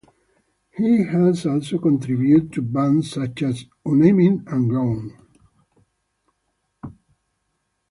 He has also contributed to bands such as Unnamed and Groan.